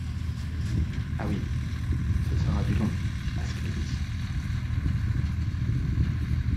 Ah oui, ce sera du long, à ce qu'il dit.